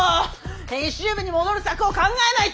編集部に戻る策を考えないと！